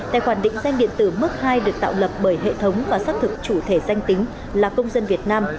tài khoản định danh điện tử mức hai được tạo lập bởi hệ thống và xác thực chủ thể danh tính là công dân việt nam